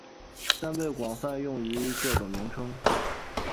但被广泛用于各种名称。